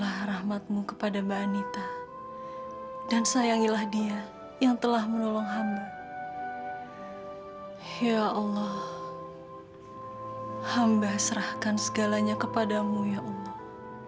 hamba serahkan segalanya kepadamu ya allah